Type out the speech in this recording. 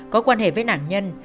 có quan hệ với nạn nhân